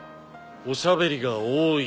おしゃべりが多い。